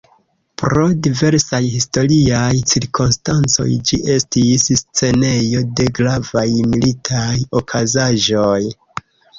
Pro diversaj historiaj cirkonstancoj ĝi estis scenejo de gravaj militaj okazaĵoj.